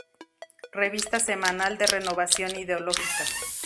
Revista semanal de renovación ideológica.